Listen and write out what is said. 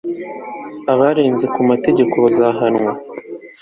Abarenze ku mategeko bazahanwa